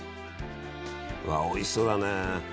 わおいしそうだね。